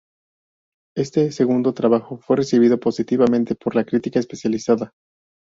Este segundo trabajo fue recibido positivamente por la crítica especializada.